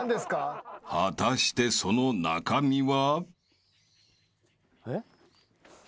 ［果たしてその中身は？］